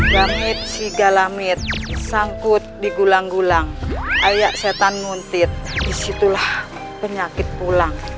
gamit sigalamit sangkut di gulang gulang ayak setan muntit disitulah penyakit pulang